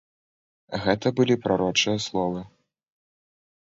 Гэта былі прарочыя словы.